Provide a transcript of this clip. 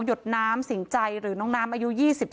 หดน้ำสิงใจหรือน้องน้ำอายุ๒๓